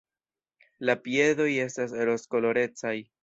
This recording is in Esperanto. La piedoj estas rozkolorecaj.